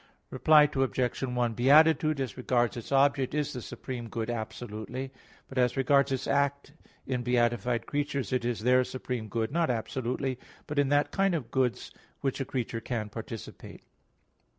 Reply Obj. 1: Beatitude, as regards its object, is the supreme good absolutely, but as regards its act, in beatified creatures it is their supreme good, not absolutely, but in that kind of goods which a creature can participate.